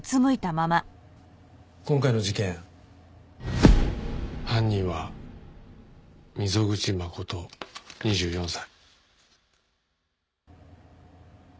今回の事件犯人は溝口誠２４歳。